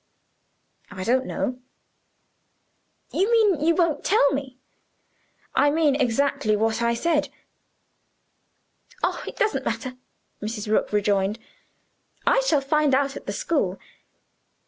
"I don't know." "You mean you won't tell me." "I mean exactly what I have said." "Oh, it doesn't matter," Mrs. Rook rejoined; "I shall find out at the school.